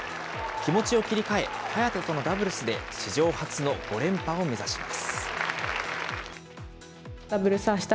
気持ちを切り替え、早田とのダブルスで、史上初の５連覇を目指します。